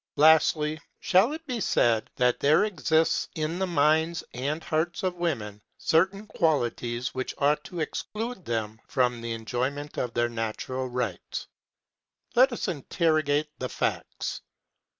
Lastly, shall it be said that there exists in the minds and hearts of women certain qualities which ought to exclude them from the enjoyment of their natural rights? Let us interrogate the facts.